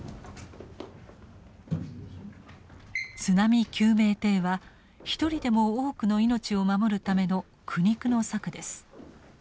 津波救命艇は一人でも多くの命を守るための苦肉の策です。